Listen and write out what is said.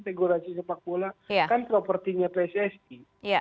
regulasi sepak bola kan propertinya pssi